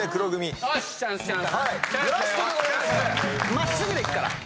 真っすぐでいくから。